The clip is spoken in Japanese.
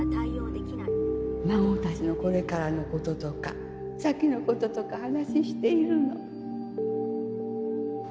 孫たちのこれからのこととか先のこととか話しているの